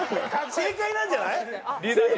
正解なんじゃない？